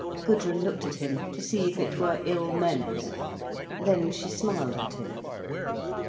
Gudrun looked at him, to see if it were ill meant. Then she smiled at him.